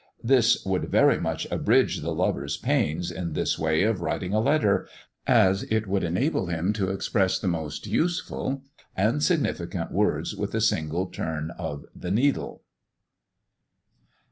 This would very much abridge the lover's pains in this way of writing a letter as it would enable him to express the most useful and significant words with a single turn of the needle.